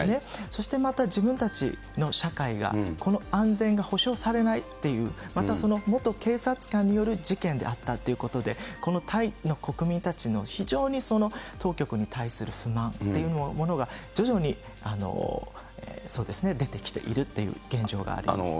そしてまた自分たちの社会が、この安全が保障されないっていう、また元警察官による事件であったということで、このタイの国民たちの非常に当局に対する不満というものが、徐々に出てきているっていう現状があります。